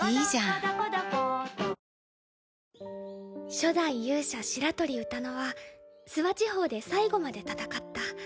初代勇者白鳥歌野は諏訪地方で最後まで戦った。